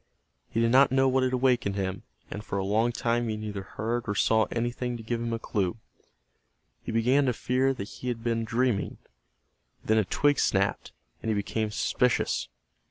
He did not know what had awakened him, and for a long time he neither heard or saw anything to give him a clue. He began to fear that he had been dreaming. Then a twig snapped, and he became suspicious.